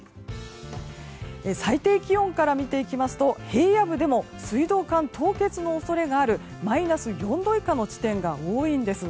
最低気温から見ていきますと平野部でも水道管凍結の恐れがあるマイナス４度以下の地点が多いんです。